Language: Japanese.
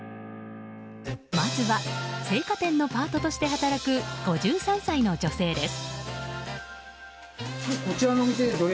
まずは青果店のパートとして働く５３歳の女性です。